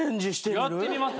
やってみます？